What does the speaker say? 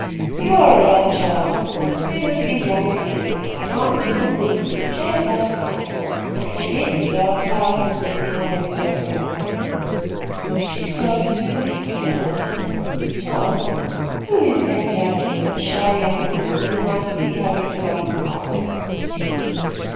"You are right, Charles; let us be young again, romp in the wood, chase butterflies and forget the dark clouds that may be hovering over us." She started to her feet and asked: "Charles, who is that lovely, but shy young girl, whom I see hurrying along the path?"